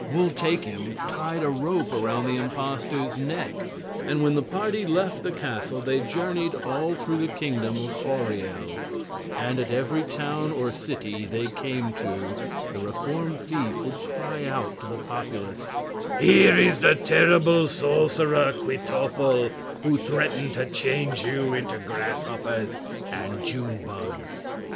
Wul Takim tied a rope around the impostor's neck, and when the party left the castle they journeyed all through the kingdom of Auriel, and at every town or city they came to the reformed thief would cry out to the populace: "Here is the terrible sorcerer Kwytoffle, who threatened to change you into grasshoppers and june bugs.